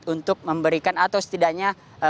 untuk memberikan atau setidaknya